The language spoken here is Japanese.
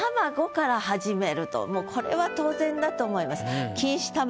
もうこれは当然だと思います。